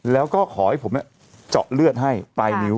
แล้วก็ขอให้ผมเจาะเลือดให้ปลายนิ้ว